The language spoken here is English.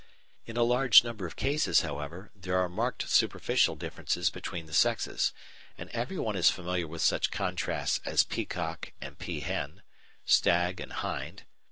In a large number of cases, however, there are marked superficial differences between the sexes, and everyone is familiar with such contrasts as peacock and peahen, stag and hind.